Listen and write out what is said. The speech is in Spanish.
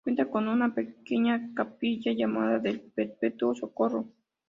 Cuenta con una pequeña capilla, llamada del "Perpetuo Socorro".